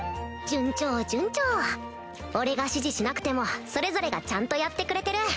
順調順調俺が指示しなくてもそれぞれがちゃんとやってくれてる